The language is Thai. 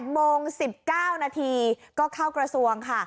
โมง๑๙นาทีก็เข้ากระทรวงค่ะ